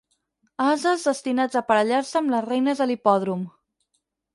Ases destinats a aparellar-se amb les reines de l'hipòdrom.